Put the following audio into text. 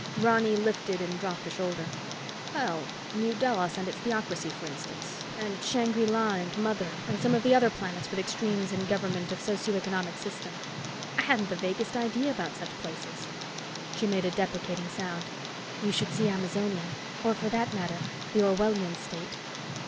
Ronny lifted and dropped a shoulder. "Well, New Delos and its theocracy, for instance, and Shangri La and Mother and some of the other planets with extremes in government of socio economic system. I hadn't the vaguest idea about such places." She made a deprecating sound. "You should see Amazonia, or, for that matter, the Orwellian State."